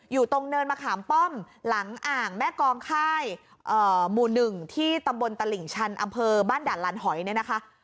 อยู่ตรงเนินมะขามป้อมหลังอ่างแม่กองค่ายหมู่๑ที่ตำบลตลิ่งชันอำเภอบ้านด่านลานหอยเนี่ยนะคะ